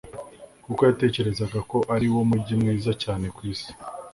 kuko yatekerezaga ko ariwo mujyi mwiza cyane ku isi